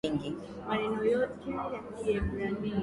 mtu anaweza kuishi katika eneo lenye mbu wengi